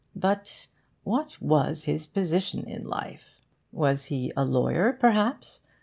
But what was his position in life? Was he a lawyer perhaps?